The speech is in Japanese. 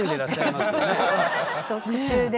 特注で。